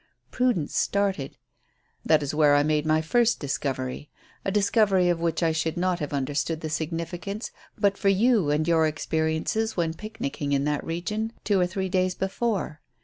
Prudence started. "That is where I made my first discovery, a discovery of which I should not have understood the significance but for your experiences when picnicking in that region two or three days before.